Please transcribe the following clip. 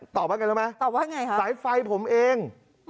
ตอบว่าไงรู้ไหมตอบว่าไงคะสายไฟผมเอง